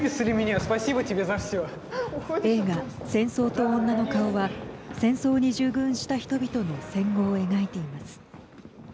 映画「戦争と女の顔」は戦争に従軍した人々の戦後を描いています。